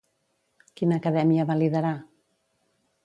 Quina acadèmia va liderar?